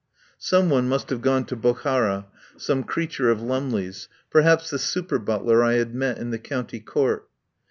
Some one must have gone to Bokhara, some creature of Lumley's, perhaps the super butler I had met in the County Court.